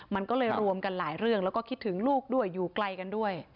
มันก็เลยรวมกันหลายเรื่องแล้วก็คิดถึงลูกด้วยอยู่ไกลกันด้วย